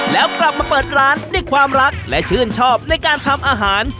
แล้วกลับมาเปิดร้านด้วยความรักและชื่นชอบในการทำอาหาร